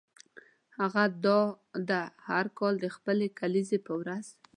هغه دا ده هر کال د خپلې کلیزې په ورځ.